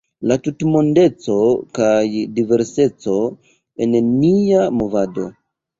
La tutmondeco kaj diverseco en nia movado.